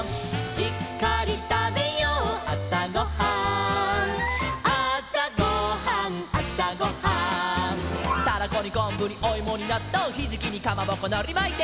「しっかりたべようあさごはん」「あさごはんあさごはん」「タラコにこんぶにおいもになっとう」「ひじきにかまぼこのりまいて」